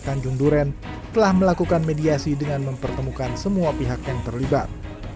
tanjung duren telah melakukan mediasi dengan mempertemukan semua pihak yang terlibat